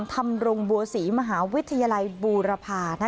ธรรมรงบัวศรีมหาวิทยาลัยบูรพา